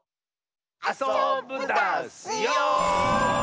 あそぶダスよ！